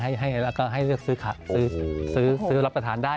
แล้วก็ให้เลือกซื้อขักซื้อรับประทานได้